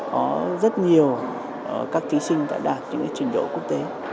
có rất nhiều các thí sinh đã đạt những trình độ quốc tế